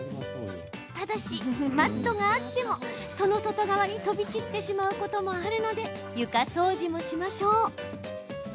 ただしマットがあっても、その外側に飛び散ってしまうこともあるので床掃除もしましょう。